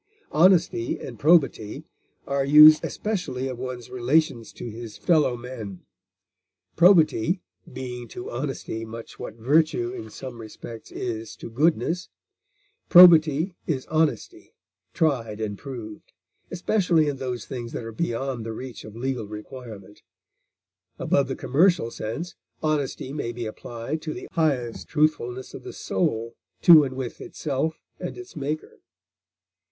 Honesty and probity are used especially of one's relations to his fellow men, probity being to honesty much what virtue in some respects is to goodness; probity is honesty tried and proved, especially in those things that are beyond the reach of legal requirement; above the commercial sense, honesty may be applied to the highest truthfulness of the soul to and with itself and its Maker.